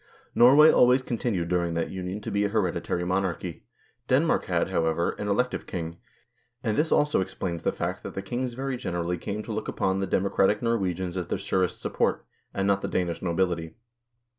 Norway always continued during that union to be a hereditary monarchy ; Denmark had, however, an elective king ; and this also ex plains the fact that the kings very generally came to look upon the democratic Norwegians as their surest support, and not the Danish nobility.